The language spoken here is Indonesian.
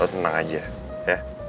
lo tenang aja ya